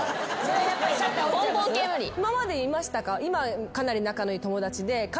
今までいましたか？